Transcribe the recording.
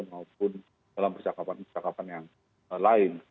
maupun dalam persyakapan persyakapan yang lain